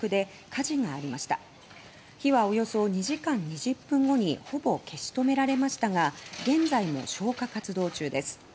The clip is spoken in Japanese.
火はおよそ２時間２０分後にほぼ消し止められましたが現在も消火活動中です。